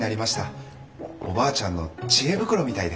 おばあちゃんの知恵袋みたいで。